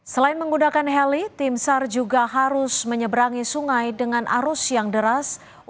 selain menggunakan heli tim sar juga harus menyeberangi sungai dengan arus yang deras